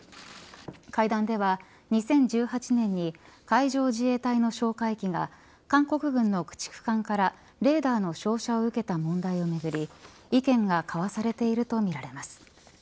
会談では２０１８年に海上自衛隊の哨戒機が韓国軍の駆逐艦からレーダーの照射を受けた問題をめぐり意見が交わされているとみられます。